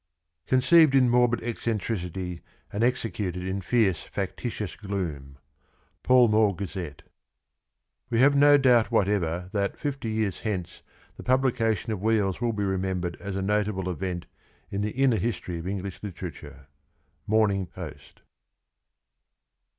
Conceived in morbid eccentricity and executed in fierce factitious gloom. — Pall Mall Gazette. We have no doubt whatever that, fifty years hence, the publication of 'Wheels' will be remembered as a notable event in the inner history of English Literature. — Morning Post.